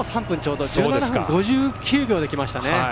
１７分５９秒できましたね。